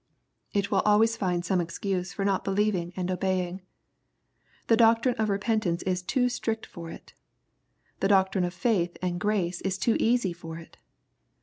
It will always find some excuse for not believing and obeying. The doctrine of repentance is too strict for it I The doctrine of faith and grace is too easy for it